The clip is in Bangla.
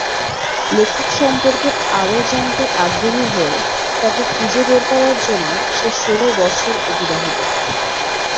লেখক সম্পর্কে আরো জানতে আগ্রহী হয়ে, তাকে খুঁজে বের করার জন্য সে ষোল বছর অতিবাহিত করে।